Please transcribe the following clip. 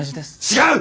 違う！